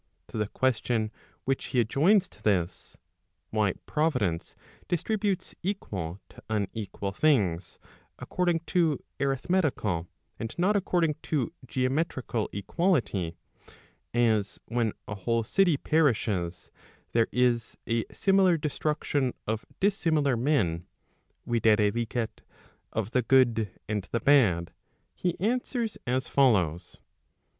To the question which he adjoins to this, why Providence distributes equal to unequal things, according to arithmetical, and not according to geometrical equality, as when a whole city perishes, there is a similar destruction of dissimilar men, viz. of the good and the bad, he answers as follows.